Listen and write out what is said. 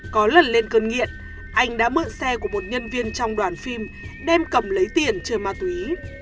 có lần lên cơn nghiện anh đã mượn xe của một nhân viên trong đoàn phim đem cầm lấy tiền chơi ma túy